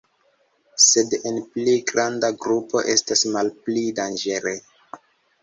Sed en pli granda grupo estas malpli danĝere.